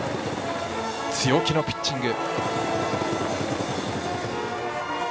強気のピッチング。